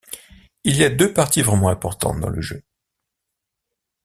Il y a deux parties vraiment importantes dans le jeu.